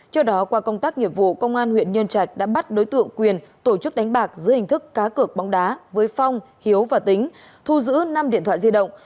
trước đó qua công tác nghiệp vụ công an huyện nhân trạch đã bắt đối tượng quyền tổ chức đánh bạc dưới hình thức cá cược bóng đá với phong hiếu và tính thu giữ năm điện thoại di động